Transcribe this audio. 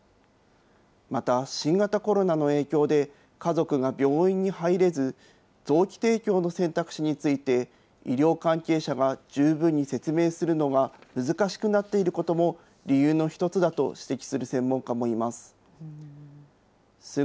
また、新型コロナの影響で家族が病院に入れず、臓器提供の選択肢について、医療関係者が十分に説明するのが難しくなっていることも理由の一つだと指摘する専門家もいます。